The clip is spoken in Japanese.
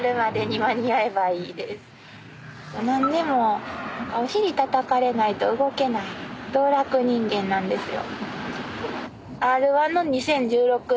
なんでもお尻たたかれないと動けない道楽人間なんですよ。